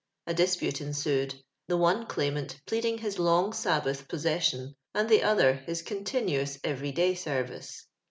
A dispute ensued; the one claimant pleading his long Sabbath pos session, and the other his continuous every day service.